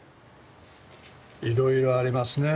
いろいろありますねえ。